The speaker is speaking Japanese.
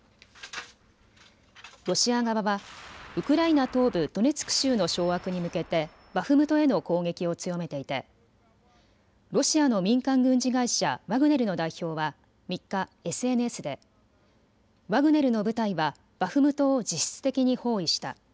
ロシア側はウクライナ東部ドネツク州の掌握に向けてバフムトへの攻撃を強めていてロシアの民間軍事会社、ワグネルの代表は３日、ＳＮＳでワグネルの部隊はバフムトを実質的に包囲した。